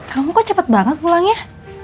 kamu kok cepet banget pulangnya